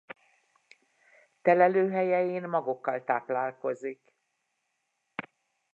Telelőhelyein magokkal táplálkozik.